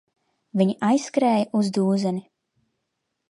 Viņi aizskrēja uz dūzeni.